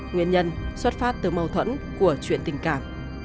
nguyên nhân xuất phát từ mâu thuẫn của chuyện tình cảm